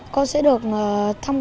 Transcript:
con sẽ được thăm